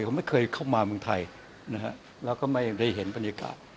ผมไม่เคยเข้ามาเมืองไทยนะฮะแล้วก็ไม่ได้เห็นบรรยากาศ